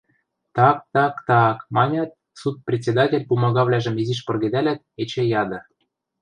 – Так, так, так... – манят, суд председатель пумагавлӓжым изиш пыргедӓлят, эче яды: